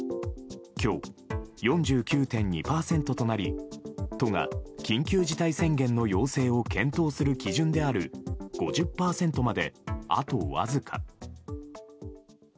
今日、４９．２％となり都が緊急事態宣言の要請を検討する基準である５０％まで、あとわずか。